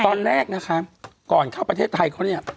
ตอนแรกนะคะก่อนเข้าประเทศไทยเขาเนี่ย